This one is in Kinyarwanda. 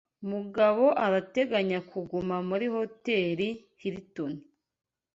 Mugabo arateganya kuguma muri Hoteli Hilton.